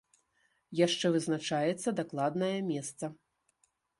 Яшчэ вызначаецца дакладнае месца.